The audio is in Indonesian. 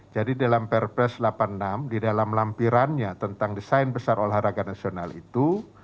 jadi dalam prps delapan puluh enam di dalam lampirannya tentang desain besar olahraga nasional itu